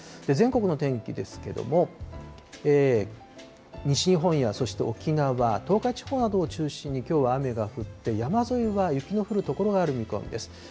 全国の天気ですけども、西日本やそして沖縄、東海地方などを中心に、きょうは雨が降って、山沿いは雪の降る所がある見込みです。